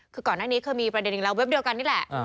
คือก่อนหน้านี้เคยมีประเด็นอีกแล้วเว็บเดียวกันนี่แหละ